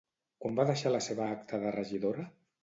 Quan va deixar la seva acta de regidora?